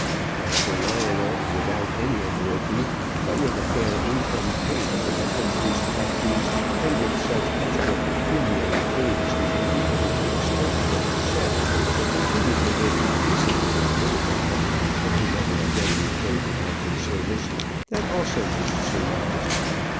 That Sir Lionel, without any annuity, but with a fair income paid from the country's taxes, and with such extra pecuniary aid as he may be able to extract from his son, will continue to live indecently at Littlebath for he never again returned to active service that also may be surmised.